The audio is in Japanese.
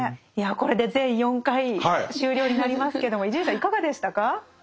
いやこれで全４回終了になりますけども伊集院さんいかがでしたか？